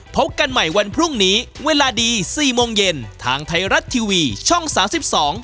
พบกันใหม่วันพรุ่งนี้เวลาดีสี่โมงเย็นทางไทยรัฐทีวีช่องสามสิบสอง